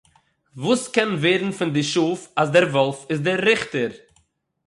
װאָס קען װערן פֿון די שאָף אַז דער װאָלף איז דער ריכטער?